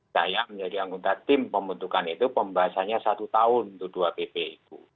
saya menjadi anggota tim pembentukan itu pembahasannya satu tahun dua pp itu